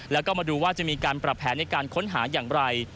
แล้วก็มาดูว่าจะมีการปรับแผนในการค้นหาอย่างไร